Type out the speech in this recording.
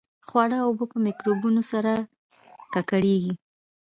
خواړه او اوبه په میکروبونو سره ککړېږي.